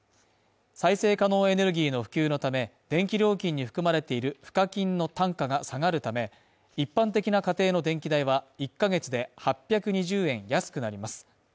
再生可能エネルギーの普及のため、電気料金に含まれている賦課金の単価が下がるため、一般的な家庭の電気代は１ヶ月で８２０円安くなります。